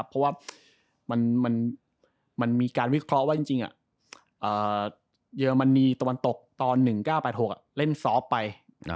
เพราะว่ามันมีการวิเคราะห์ว่าจริงเยอรมนีตะวันตกตอน๑๙๘๖เล่นซอฟต์ไป